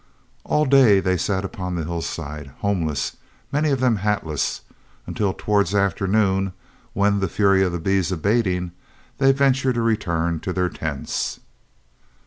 All day they sat upon the hillside, homeless, many of them hatless, until towards afternoon, when, the fury of the bees abating, they ventured a return to their tents.